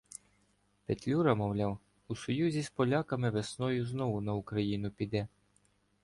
Петлюра, мовляв, у союзі з поляками весною знову на Україну піде.